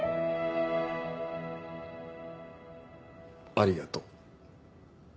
ありがとう。